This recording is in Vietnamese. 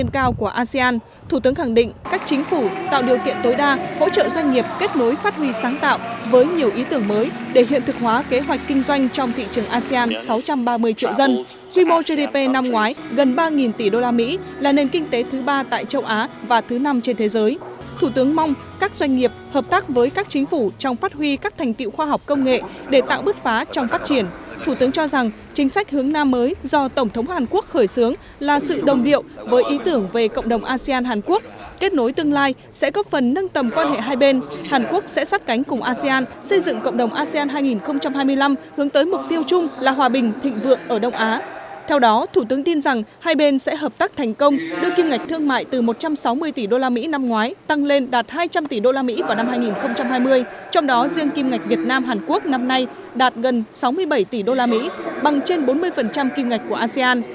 các thủ tướng tin rằng hai bên sẽ hợp tác thành công đưa kim ngạch thương mại từ một trăm sáu mươi tỷ usd năm ngoái tăng lên đạt hai trăm linh tỷ usd vào năm hai nghìn hai mươi trong đó riêng kim ngạch việt nam hàn quốc năm nay đạt gần sáu mươi bảy tỷ usd bằng trên bốn mươi kim ngạch của asean